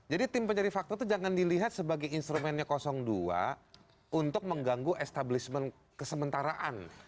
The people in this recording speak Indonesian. jadi tim pencari fakta itu jangan dilihat sebagai instrumennya dua untuk mengganggu establishment kesementaraan